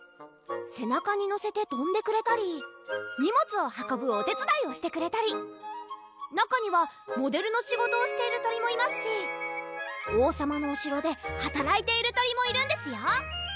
背中に乗せてとんでくれたり荷物を運ぶお手つだいをしてくれたり中にはモデルの仕事をしている鳥もいますし王さまのお城ではたらいている鳥もいるんですよ